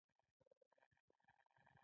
کینیايي متل وایي پوهه ځواک دی.